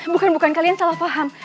bukan bukan kalian salah paham